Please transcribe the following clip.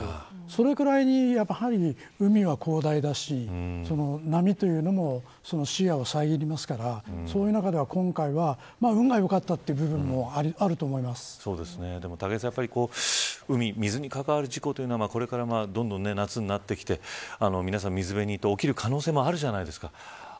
それぐらいの範囲に海は広大だし波というのも視野を遮りますからそういう中では、今回は運が良かったという部分も武井さん海、水に関わる事故というのはこれからどんどん夏になってきて皆さん、水辺に行って、起きる可能性もあるじゃないですか。